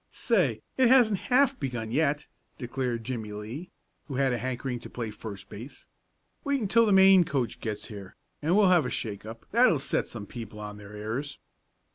"Say, it hasn't half begun yet," declared Jimmie Lee, who had a hankering to play first base. "Wait until the main coach gets here, and we'll have a shake up that'll set some people on their ears."